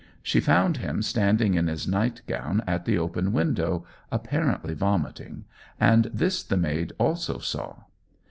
She found him standing in his night gown at the open window, apparently vomiting, and this the maid also saw.